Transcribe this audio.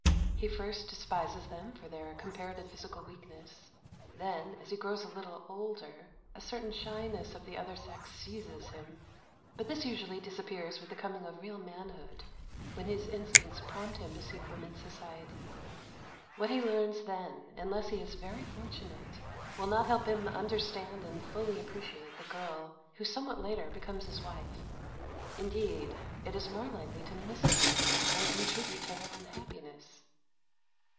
He first despises them for their comparative physical weakness; then, as he grows a little older, a certain shyness of the other sex seizes him; but this usually disappears with the coming of real manhood, when his instincts prompt him to seek women's society. What he learns then, unless he is very fortunate, will not help him to understand and fully appreciate the girl who somewhat later becomes his wife indeed, it is more likely to mislead him and contribute to her unhappiness.